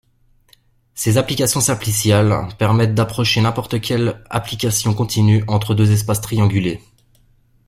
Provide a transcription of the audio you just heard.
Ces applications simpliciales permettent d'approcher n'importe quelle application continue entre deux espaces triangulés.